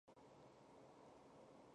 嘉靖二十五年迁扬州府同知。